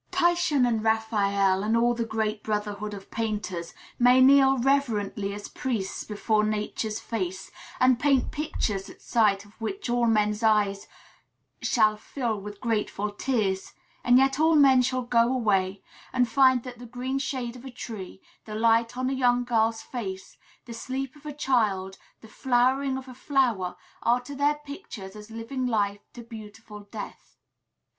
Titian and Raphael, and all the great brotherhood of painters, may kneel reverently as priests before Nature's face, and paint pictures at sight of which all men's eyes shall fill with grateful tears; and yet all men shall go away, and find that the green shade of a tree, the light on a young girl's face, the sleep of a child, the flowering of a flower, are to their pictures as living life to beautiful death.